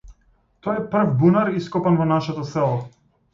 Тоа е прв бунар ископан во нашето село.